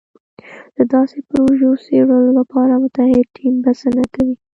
د داسې پروژو څېړلو لپاره متعهد ټیم بسنه کوي.